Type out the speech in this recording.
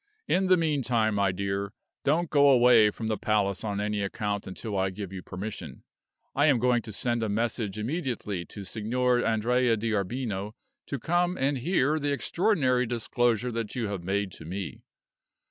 In the meantime, my dear, don't go away from the palace on any account until I give you permission. I am going to send a message immediately to Signor Andrea D'Arbino to come and hear the extraordinary disclosure that you have made to me.